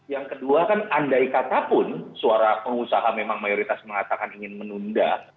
yang kedua kan andai katapun suara pengusaha memang mayoritas mengatakan ingin menunda